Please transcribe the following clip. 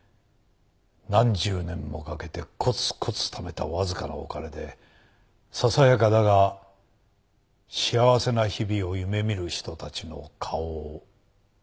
何十年もかけてコツコツためたわずかなお金でささやかだが幸せな日々を夢見る人たちの顔を。